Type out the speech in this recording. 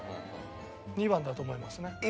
２番だと思いますね。